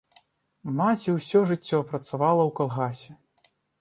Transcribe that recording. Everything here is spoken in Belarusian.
Маці ўсё жыццё працавала ў калгасе.